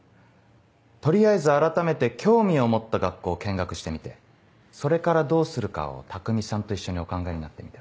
取りあえず改めて興味を持った学校を見学してみてそれからどうするかを匠さんと一緒にお考えになってみては。